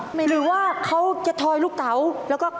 หมายถึงว่าเขาจะทอยลูกเตาแล้วก็